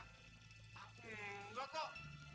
hmm enggak kok